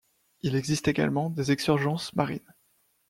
Il existe également des exsurgences marines.